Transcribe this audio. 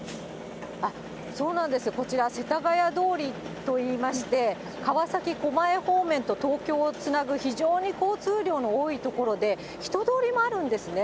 そうなんです、こちら、世田谷通りといいまして、川崎・狛江方面と東京をつなぐ非常に交通量の多い所で、人通りもあるんですね。